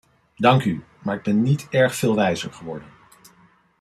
Dank u, maar ik ben niet erg veel wijzer geworden.